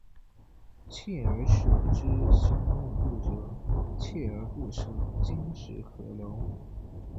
锲而舍之，朽木不折；锲而不舍，金石可镂。